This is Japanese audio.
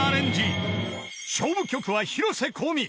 ［勝負曲は広瀬香美